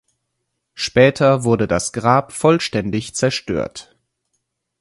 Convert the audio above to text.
Später wurde das Grab vollständig zerstört.